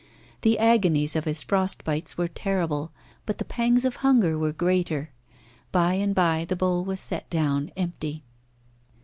The agonies of his frost bites were terrible, but the pangs of hunger were greater. By and by the bowl was set down empty.